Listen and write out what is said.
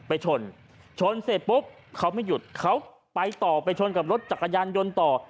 ไปชนชนเสร็จปุ๊บเขาไม่หยุดเขาไปต่อไปชนกับรถจักรยานยนต์ต่อ